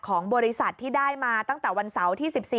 ของบริษัทที่ได้มาตั้งแต่วันเสาร์ที่๑๔